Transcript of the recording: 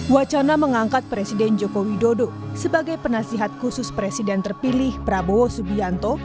wacana mengangkat presiden joko widodo sebagai penasihat khusus presiden terpilih prabowo subianto